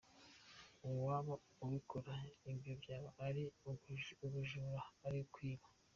Uwaba abikora ibyo byaba ari ubujura, ari ukwiba.